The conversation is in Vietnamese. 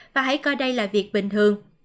và hãy coi đây là việc bình thường